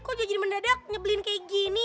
kok jadi mendadak nyebelin kayak gini